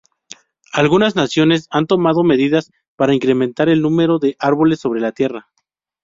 Algunas naciones han tomado medidas para incrementar el número de árboles sobre la Tierra.